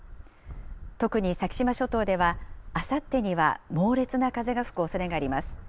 特に先島諸島では、あさってには猛烈な風が吹くおそれがあります。